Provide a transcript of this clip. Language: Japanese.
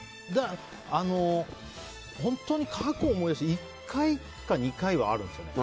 本当に過去思い出して１回か２回はあるんですよね。